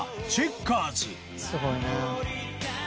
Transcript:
すごいな。